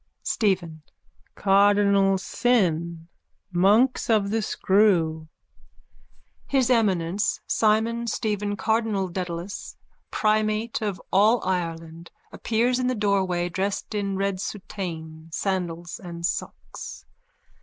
STEPHEN: Cardinal sin. Monks of the screw. _(His Eminence Simon Stephen Cardinal Dedalus, Primate of all Ireland, appears in the doorway, dressed in red soutane, sandals and socks.